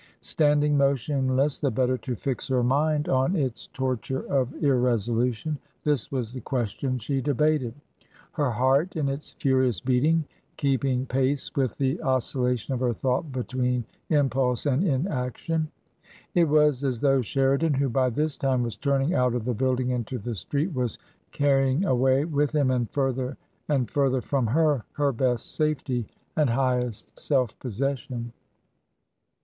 Standing motionless the better to fix her mind on its torture of irresolution, this was the question she debated, her heart in its furious beating keeping pace with the oscillation of her thought between impulse and inaction. It was as though Sheridan, who by this time was turning out of the building into the street, was carrying away with him and further and further from her her best safety and highest self possession.